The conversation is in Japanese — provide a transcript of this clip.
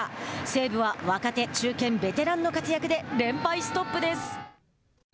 西武は若手、中堅、ベテランの活躍で、連敗ストップです。